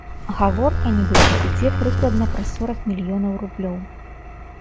Гаворка, нібыта, ідзе прыкладна пра сорак мільёнаў рублёў.